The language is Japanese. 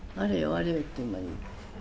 あれよという間に。